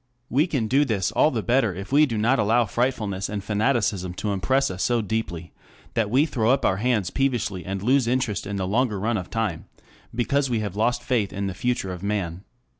We can do this all the better if we do not allow frightfulness and fanaticism to impress us so deeply that we throw up our hands peevishly, and lose interest in the longer run of time because we have lost faith in the future of man.